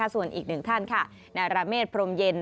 ส่วนอีกหนึ่งท่านค่ะนาราเมษพรมเย็น